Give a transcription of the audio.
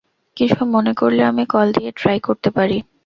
কিছু মনে করলে আমি কল দিয়ে ট্রাই করতে পারি?